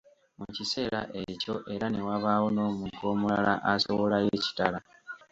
Mu kisera ekyo era ne wabaawo n'omuntu omulala asowolayo ekitala.